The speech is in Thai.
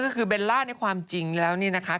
ก็คือเบลล่าในความจริงแล้วนี่นะคะ